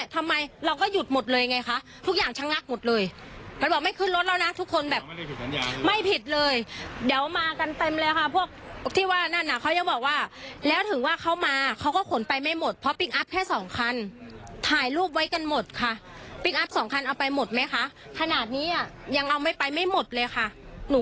บวนการที่ว่ามันจะต้องหาวิธีการที่ว่าจะเอาเงินค่าปรับหนู